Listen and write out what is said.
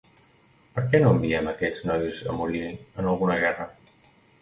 Per què no enviem aquests nois a morir en alguna guerra?